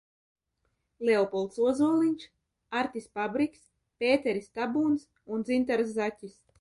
Leopolds Ozoliņš, Artis Pabriks, Pēteris Tabūns un Dzintars Zaķis.